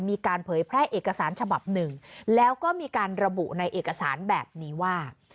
เผยแพร่เอกสารฉบับหนึ่งแล้วก็มีการระบุในเอกสารแบบนี้ว่า